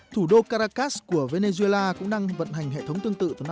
thủ đô caracas của venezuela cũng đang vận hành hệ thống tương tự vào năm hai nghìn một mươi